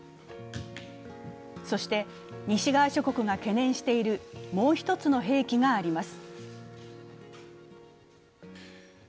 そして、西側諸国が懸念している、もう一つの兵器があります。